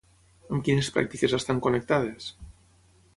Amb quines pràctiques estan connectades?